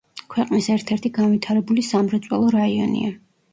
ქვეყნის ერთ-ერთი განვითარებული სამრეწველო რაიონია.